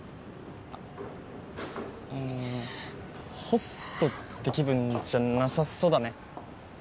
ホストって気分じゃなさそうだね。